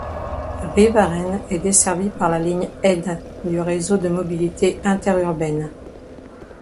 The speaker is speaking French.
Rivarennes est desservie par la ligne N du Réseau de mobilité interurbaine.